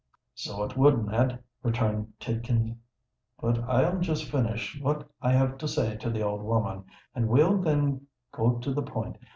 "So it would, Ned," returned Tidkins. "But I'll just finish what I have to say to the old woman; and we'll then go to the point.